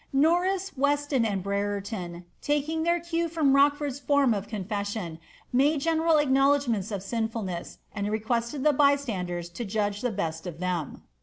^' Norris, Weston, and Brereton, taking tlieir cue from Rochford^s ' form of confession, made general acknowledgments of sinfulness, and requested the bystanders to judge the best of them.